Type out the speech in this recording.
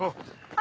あ？